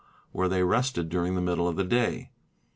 where they rested during the middle of the day.